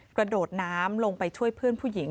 กระโดดน้ำลงไปช่วยเพื่อนผู้หญิง